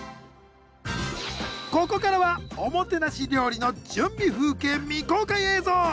ここからはおもてなし料理の準備風景未公開映像！